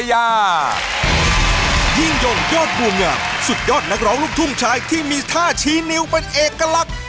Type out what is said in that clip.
ยิ่งยงยอดบัวงามสุดยอดนักร้องลูกทุ่งชายที่มีท่าชี้นิ้วเป็นเอกลักษณ์